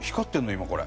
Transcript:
今これ。